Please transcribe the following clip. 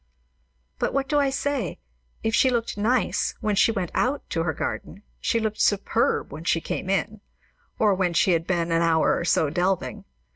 But what do I say? If she looked "nice" when she went out to her garden, she looked superb when she came in, or when she had been an hour or so delving.